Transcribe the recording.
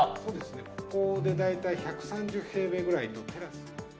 ここで大体１３０平米くらいとテラス。